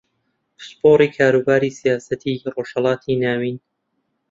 پسپۆڕی کاروباری سیاسەتی ڕۆژھەڵاتی ناوین